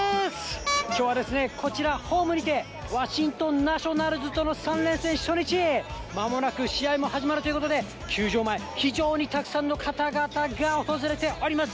きょうはですね、こちら、ホームにて、ワシントンナショナルズとの３連戦初日、まもなく試合も始まるということで、球場前、非常にたくさんの方々が訪れております。